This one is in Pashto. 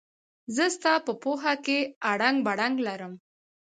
زه ستا په پوهه کې اړنګ بړنګ لرم.